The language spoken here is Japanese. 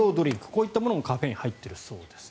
こういったものもカフェインが入っているそうです。